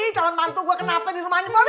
calon mantu gue kenapa di rumahnya bobby